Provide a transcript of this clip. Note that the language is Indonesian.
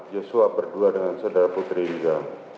joshua berdua dengan saudara putri juga